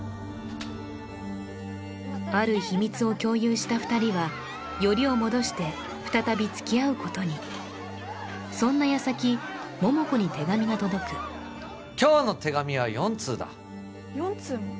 ある秘密を共有した２人はよりを戻して再びつきあうことにそんな矢先桃子に手紙が届く今日の手紙は４通だ４通も？